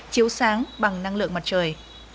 chiếu sáng bằng năng lượng mặt trời